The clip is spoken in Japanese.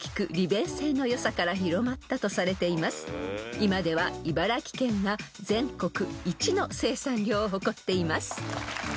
［今では茨城県が全国一の生産量を誇っています］